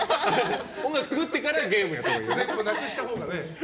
音楽作ってからゲームやったほうがいいよね。